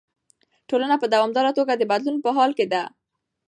ټولنه په دوامداره توګه د بدلون په حال کې ده.